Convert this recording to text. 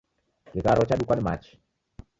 Kigharo chadukwa ni machi.